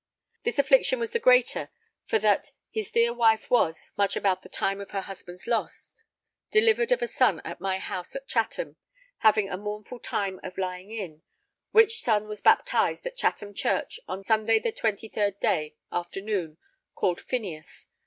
This affliction was the greater for that his dear wife was, much about the time of her husband's loss, delivered of a son at my house at Chatham, having a mournful time of lying in, which son was baptized at Chatham Church on Sunday the 23rd day, afternoon, called Phineas.